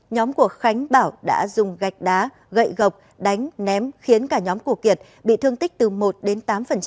nhóm của khánh bảo đã dùng gạch đá gậy gọc đánh ném khiến cả nhóm của kiệt bị thương tích từ một đến tám